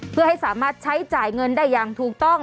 เพื่อให้สามารถใช้จ่ายเงินได้อย่างถูกต้อง